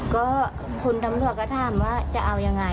ก็คุณตำรวจก็ถามว่าจะเอายังไง